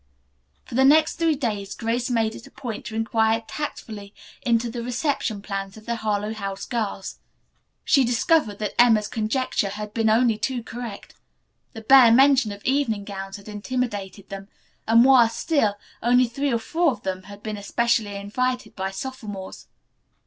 For the next three days Grace made it a point to inquire tactfully into the reception plans of the Harlowe House girls. She discovered that Emma's conjecture had been only too correct. The bare mention of evening gowns had intimidated them, and, worse still, only three or four of them had been especially invited by sophomores.